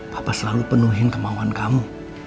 papa selalu penuhin kemauan kamu